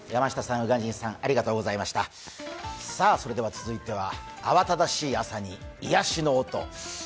続いては慌ただしい朝に癒やしの音。